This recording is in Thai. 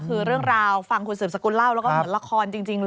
คือเรื่องราวฟังคุณสืบสกุลเล่าแล้วก็เหมือนละครจริงเลย